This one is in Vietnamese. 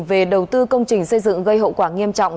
về đầu tư công trình xây dựng gây hậu quả nghiêm trọng